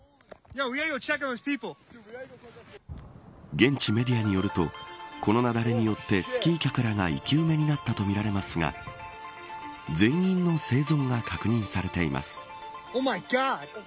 現地メディアによるとこの雪崩によってスキー客らが生き埋めになったとみられますが全員の生存が確認されています。